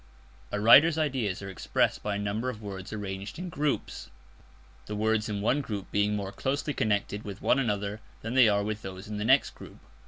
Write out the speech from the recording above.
A writer's ideas are expressed by a number of words arranged in groups, the words in one group being more closely connected with one another than they are with those in the next group.